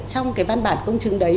trong văn bản công chứng đấy